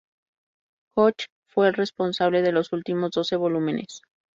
Koch fue el responsable de los últimos doce volúmenes.